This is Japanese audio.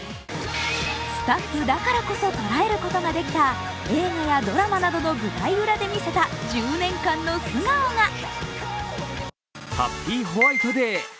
スタッフだからこそ捉えることができた映画やドラマなどの舞台裏で見せた１０年間の素顔が。